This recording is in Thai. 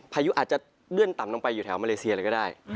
พายุอาจจะเลื่อนต่ำลงไปอยู่แถวมาเลเซียเลยก็ได้